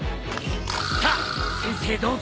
さあ先生どうぞ。